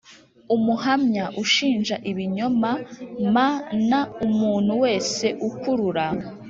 Umuhamya ushinja ibinyoma m n umuntu wese ukurura